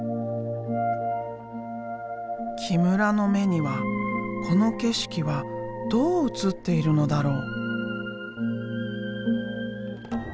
木村の目にはこの景色はどう映っているのだろう？